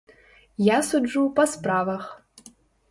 Я суджу па справах.